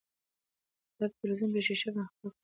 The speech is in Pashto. هغې د تلویزیون په ښیښه باندې خپل عکس ولید.